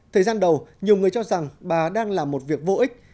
thời gian đầu nhiều người cho rằng bà đang làm một việc vô ích